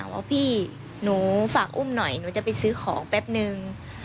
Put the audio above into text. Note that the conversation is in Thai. ว่าพี่หนูฝากอุ้มหน่อยหนูจะไปซื้อของแป๊บนึง